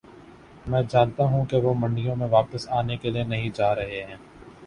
میں جانتا ہوں وہ منڈیوں میں واپس آنے کے لیے نہیں جا رہے ہیں